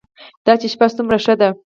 دا چې شپه څومره ښه ده.